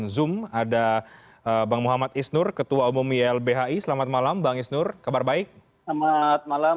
zoom ada bang muhammad isnur ketua umum ylbhi selamat malam bang isnur kabar baik selamat malam